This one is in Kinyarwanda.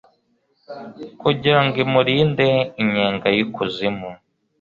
kugira ngo imurinde inyenga y'ikuzimu